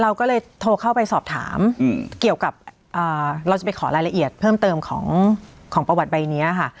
เราก็เลยโทรเข้าไปสอบถามเกี่ยวกับเราจะไปขอรายละเอียดเพิ่มเติมของประวัติใบนี้ค่ะ